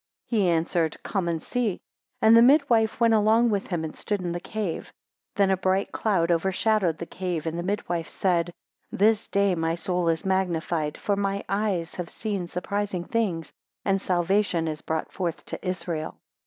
8 He answered, Come and see. 9 And the midwife went along with him, and stood in the cave. 10 Then a bright cloud over shadowed the cave, and the mid wife said, This day my soul is magnified, for mine eyes have seen surprising things, and salvation is brought forth to Israel.